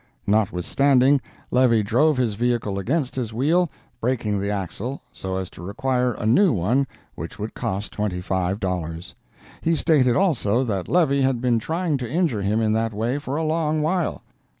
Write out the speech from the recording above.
Notwithstanding, Levy drove his vehicle against his wheel, breaking the axle, so as to require a new one which would cost twenty five dollars. He stated also that Levy had been trying to injure him in that way for a long while.